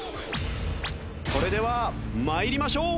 それでは参りましょう。